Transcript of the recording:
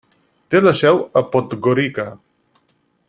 Té la seu a Podgorica.